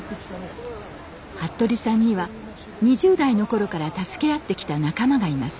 服部さんには２０代の頃から助け合ってきた仲間がいます。